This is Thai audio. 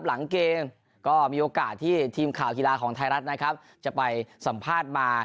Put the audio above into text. หลังเกมก็มีโอกาสที่ทีมข่าวกีฬาของไทยรัฐนะครับจะไปสัมภาษณ์มา